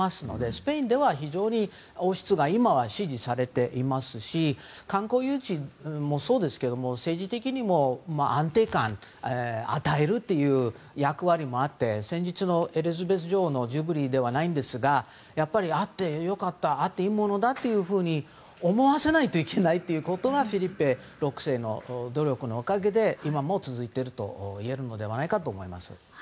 スペインでは非常に王室が今は支持されていますし観光誘致もそうですけども政治的にも安定感を与えるという役割もあって先日のエリザベス女王のジュビリーではないですがやっぱりあって良かったいいものだというふうに思わせないといけないということはフェリペ６世の努力のおかげで今も続いているのではないかと思います。